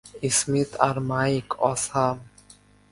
Smith আর Mike awesome.